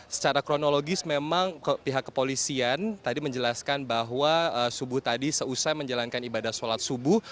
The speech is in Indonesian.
secara kronologis memang pihak kepolisian tadi menjelaskan bahwa subuh tadi seusai menjalankan ibadah sholat subuh